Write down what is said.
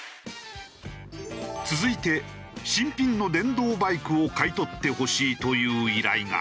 続いて新品の電動バイクを買い取ってほしいという依頼が。